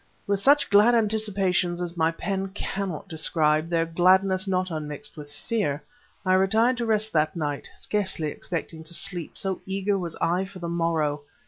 With such glad anticipations as my pen cannot describe, their gladness not unmixed with fear, I retired to rest that night, scarcely expecting to sleep, so eager was I for the morrow.